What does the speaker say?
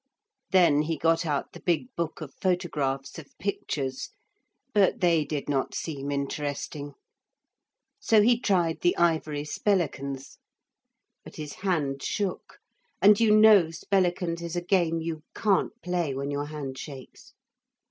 Then he got out the big book of photographs of pictures, but they did not seem interesting, so he tried the ivory spellicans. But his hand shook, and you know spellicans is a game you can't play when your hand shakes.